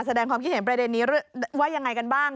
แสดงความคิดเห็นประเด็นนี้ว่ายังไงกันบ้าง